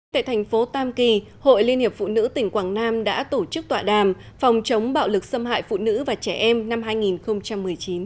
tại thành phố tam kỳ hội liên hiệp phụ nữ tỉnh quảng nam đã tổ chức tọa đàm phòng chống bạo lực xâm hại phụ nữ và trẻ em năm hai nghìn một mươi chín